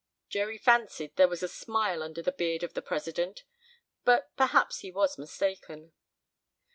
Jerry fancied there was a smile under the beard of the president, but perhaps he was mistaken.